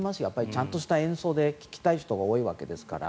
ちゃんとした演奏で聴きたい人が多いわけですから。